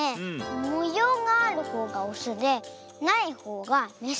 もようがあるほうがオスでないほうがメス！